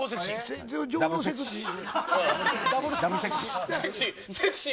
ダブルセクシー。